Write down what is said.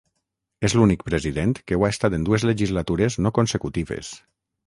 És l’únic president que ho ha estat en dues legislatures no consecutives.